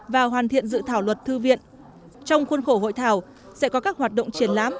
và hoàn thiện dự thảo luật thư viện trong khuôn khổ hội thảo sẽ có các hoạt động triển lãm